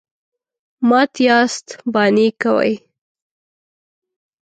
_مات ياست، بانې کوئ.